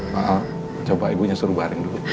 maaf coba ibunya suruh baring dulu